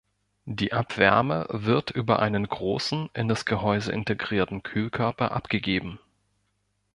Die Abwärme wird über einen großen in das Gehäuse integrierten Kühlkörper abgegeben.